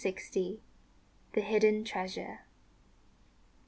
CLX. THE HIDDEN TREASURE.